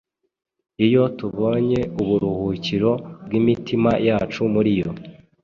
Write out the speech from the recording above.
iyo tubonye uburuhukiro bw’imitima yacu muri yo.